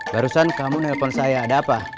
barusan kamu nelfon saya ada apa